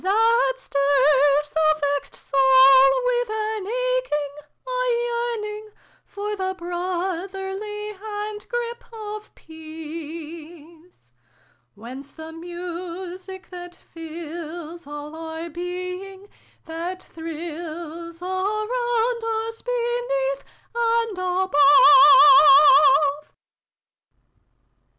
That stirs the vexed soul with an aching a yearning For the brotherly hand grip of peace ? Whence the music that fills all our being th fit thrills A round us, beneath, and above ?